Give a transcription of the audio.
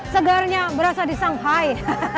segarnya berasa di shanghai